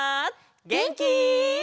げんき？